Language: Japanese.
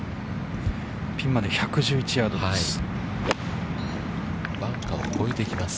◆ピンまで１１１ヤードです。